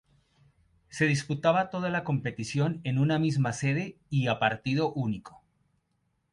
Se disputaba toda la competición en una misma sede y a partido único.